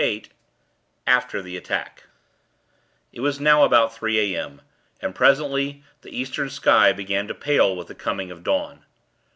VIII AFTER THE ATTACK It was now about three a.m., and, presently, the Eastern sky began to pale with the coming of dawn.